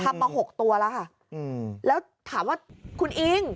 มาหกตัวแล้วค่ะอืมแล้วถามว่าคุณอิง